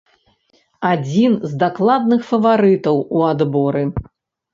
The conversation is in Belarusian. Адзін з дакладных фаварытаў у адборы.